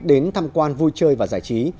đến tham quan vui chơi và giải trí